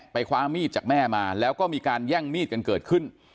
คว้ามีดจากแม่มาแล้วก็มีการแย่งมีดกันเกิดขึ้น